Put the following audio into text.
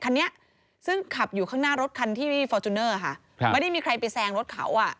คันนี้ซึ่งขับอยู่ข้างหน้ารถคันที่ฟอร์จูเนอร์ค่ะไม่ได้มีใครไปแซงรถเขาอ่ะ